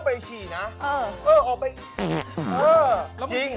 อ้าวฉันรอดแล้ว